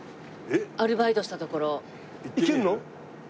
アルバイトしたところ。